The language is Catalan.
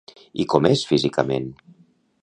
I com és físicament?